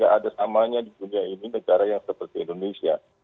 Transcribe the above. nah kita bisa mengurangi kebanyakan negara yang seperti indonesia